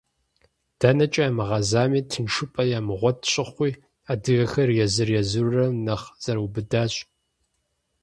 Дэнэкӏэ ямыгъэзами тыншыпӏэ ямыгъуэт щыхъуи, адыгэхэр езыр-езырурэ нэхъ зэрыубыдащ.